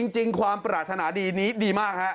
จริงความปรารถนาดีมากฮะ